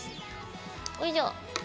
おいしょ。